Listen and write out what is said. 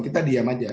kita diam aja